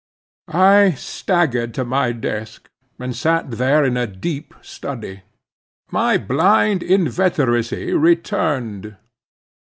I staggered to my desk, and sat there in a deep study. My blind inveteracy returned.